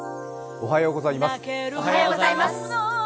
おはようございます。